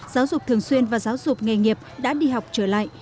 giáo dục thường xuyên và giáo dục nghề nghiệp đã đi học trở lại